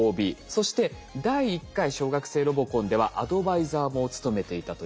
そして第１回小学生ロボコンではアドバイザーも務めていたということで。